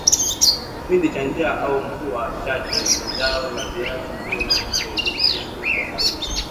kipindi cha njaa au mvua chache ni zao la viazi ndio tegemezi kwa mkulima